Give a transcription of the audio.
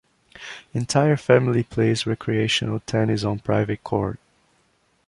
Entire family plays recreational tennis on private court.